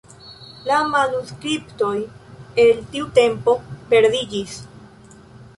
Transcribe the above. La manuskriptoj el tiu tempo perdiĝis.